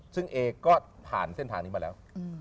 ซึ่งเอก็ผ่านเส้นทางนี้มาแล้ว